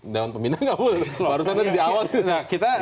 dan pembina nggak boleh